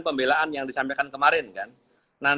pembelaan yang disampaikan kemarin kan